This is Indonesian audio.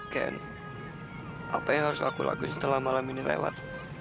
kents apa yang harus aku lakuin setelah malam ini lewat